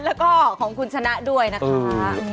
แล้วก็ของคุณชนะด้วยนะคะ